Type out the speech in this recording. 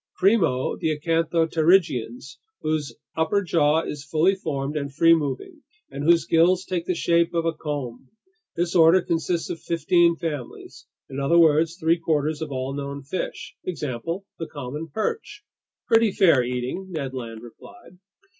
Primo, the acanthopterygians, whose upper jaw is fully formed and free moving, and whose gills take the shape of a comb. This order consists of fifteen families, in other words, three quarters of all known fish. Example: the common perch." "Pretty fair eating," Ned Land replied.